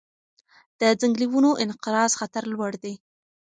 د ځنګلي ونو انقراض خطر لوړ دی.